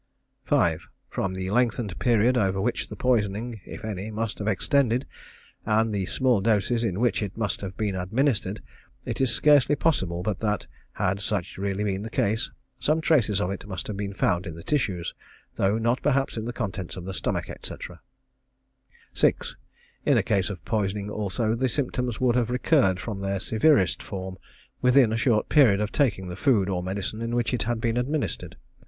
5. From the lengthened period over which the poisoning, if any, must have extended, and the small doses in which it must have been administered, it is scarcely possible but that, had such really been the case, some traces of it must have been found in the tissues, though not perhaps in the contents of the stomach, &c. 6. In a case of poisoning also, the symptoms would have recurred in their severest form within a short period of taking the food or medicine in which it had been administered.